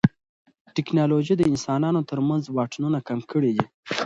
ټیکنالوژي د انسانانو ترمنځ واټنونه کم کړي دي.